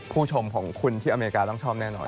ผู้ชมของคุณที่อเมริกาต้องชอบแน่นอน